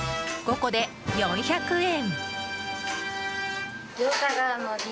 ５個で４００円。